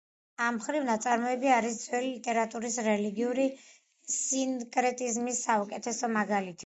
ამ მხრივ ნაწარმოები არის ძველი ლიტერატურის რელიგიური სინკრეტიზმის საუკეთესო მაგალითი.